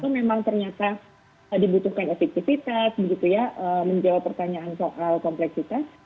memang ternyata dibutuhkan efektivitas menjawab pertanyaan soal kompleksitas